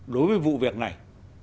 đối với vụ việc này